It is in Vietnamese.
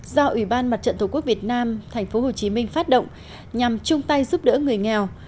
do ủy ban mặt trận tổ quốc việt nam tp hcm phát động nhằm chung tay giúp đỡ người nghèo